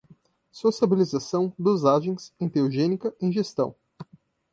sociabilização, dosagens, enteogênica, ingestão